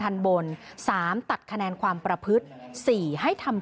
ทันบน๓ตัดคะแนนความประพฤติ๔ให้ทำ